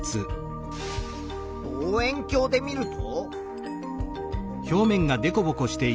望遠鏡で見ると。